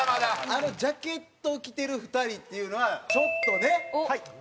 あのジャケットを着てる２人っていうのはちょっとねまあまあ。